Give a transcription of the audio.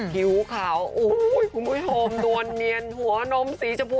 หิวขาวอุ้ยห่วงมือโธมดวนเนียนหัวนมสีชมพูด